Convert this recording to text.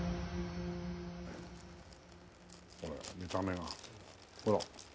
これ見た目がほら。